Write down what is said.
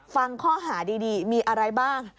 ฟังข้อหาดีมีอะไรบ้าง